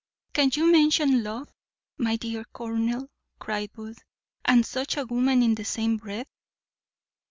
"Can you mention love, my dear colonel," cried Booth, "and such a woman in the same breath?"